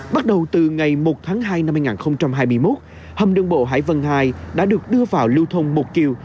bắt đầu từ ngày một tháng hai năm hai nghìn hai mươi một hầm đường bộ hải vân hai đã được đưa vào lưu thông một chiều